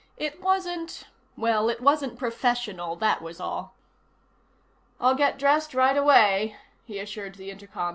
It wasn't well, it wasn't professional, that was all. "I'll get dressed right away," he assured the intercom.